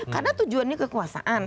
karena tujuannya kekuasaan